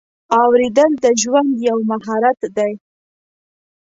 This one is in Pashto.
اورېدل د ژوند یو مهارت دی.